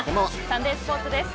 サンデースポーツです。